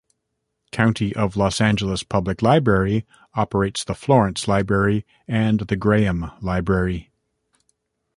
County of Los Angeles Public Library operates the Florence Library and the Graham Library.